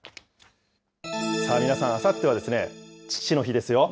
皆さん、あさっては父の日ですよ。